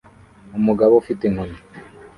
Umugabo ufite inkoni